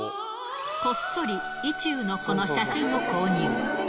こっそり意中の子の写真を購入。